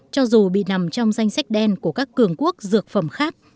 cho dù bị nằm trong danh sách đen của các cường quốc dược phẩm khác